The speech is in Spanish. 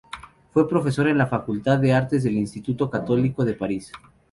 Fue profesor en la Facultad de Artes del Instituto Católico de París.